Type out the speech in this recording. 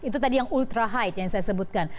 itu tadi yang ultra high yang saya sebutkan